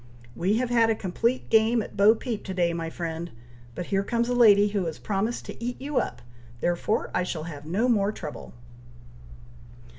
"We have had a complete game at bo peep to day, my friend! but here comes a lady who has promised to eat you up, therefore I shall have no more trouble."